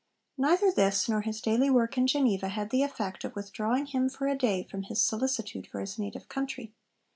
Neither this, nor his daily work in Geneva, had the effect of withdrawing him for a day from his solicitude for his native country.